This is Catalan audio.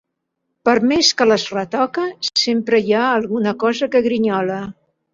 Per més que les retoca, sempre hi ha alguna cosa que grinyola.